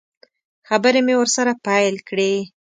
خبرې مې ورسره پیل کړې.